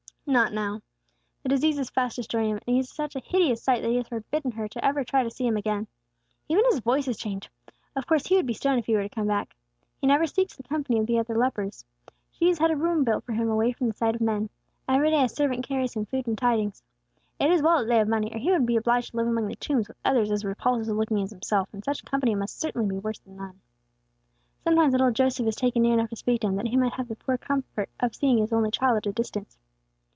"Not now. The disease is fast destroying him; and he is such a hideous sight that he has forbidden her to ever try to see him again. Even his voice is changed. Of course he would be stoned if he were to come back. He never seeks the company of other lepers. She has had a room built for him away from the sight of men. Every day a servant carries him food and tidings. It is well that they have money, or he would be obliged to live among the tombs with others as repulsive looking as himself, and such company must certainly be worse than none. Sometimes little Joseph is taken near enough to speak to him, that he may have the poor comfort of seeing his only child at a distance."